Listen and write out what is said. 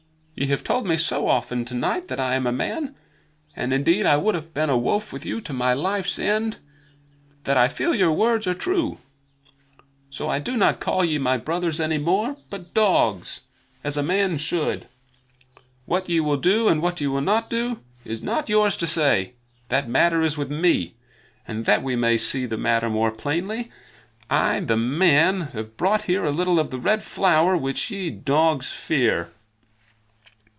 Ye have told me so often tonight that I am a man (and indeed I would have been a wolf with you to my life's end) that I feel your words are true. So I do not call ye my brothers any more, but sag [dogs], as a man should. What ye will do, and what ye will not do, is not yours to say. That matter is with me; and that we may see the matter more plainly, I, the man, have brought here a little of the Red Flower which ye, dogs, fear."